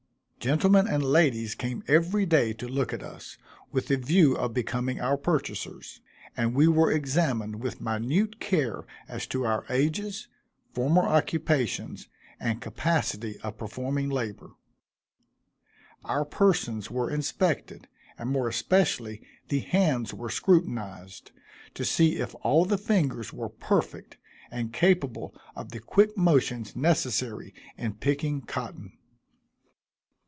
Gentlemen and ladies came every day to look at us, with a view of becoming our purchasers; and we were examined with minute care as to our ages, former occupations, and capacity of performing labor. Our persons were inspected, and more especially the hands were scrutinized, to see if all the fingers were perfect, and capable of the quick motions necessary in picking cotton.